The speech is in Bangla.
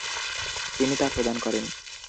তিনি তা প্রদান করেন।